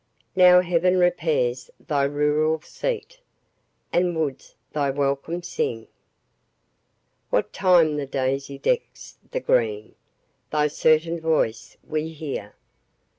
Now Heaven repairs thy rural seat, And woods thy welcome sing. What time the daisy decks the green, Thy certain voice we hear.